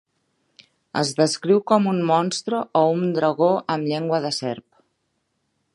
Es descriu com un monstre o un dragó amb llengua de serp.